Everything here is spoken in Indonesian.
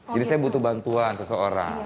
jadi saya butuh bantuan seseorang